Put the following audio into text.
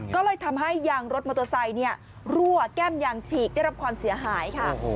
ก็เลยทำให้ยางรถมอเตอร์ไซค์รั่วแก้มยางฉีกได้รับความเสียหายค่ะ